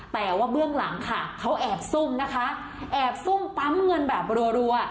แต่ว่าเบื้องหลังค่ะเขาแอบซุ่มนะคะแอบซุ่มปั๊มเงินแบบรัว